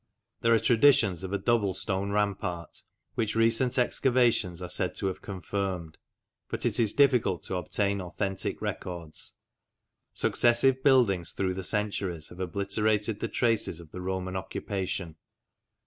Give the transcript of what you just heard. There are traditions of a double stone rampart, which recent excavations are said to have confirmed, but it is difficult to obtain authentic records. Successive buildings through the centuries have obliterated the traces of the Roman occupation.